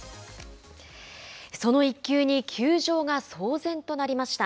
その１球に球場が騒然となりました。